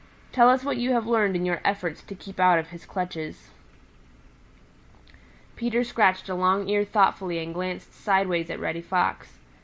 Tell us what you have learned in your efforts to keep out of his clutches." Peter scratched a long ear thoughtfully and glanced sideways at Reddy Fox.